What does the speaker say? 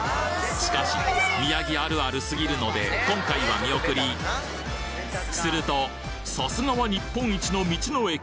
しかし宮城あるある過ぎるので今回は見送りするとさすがは日本一の道の駅！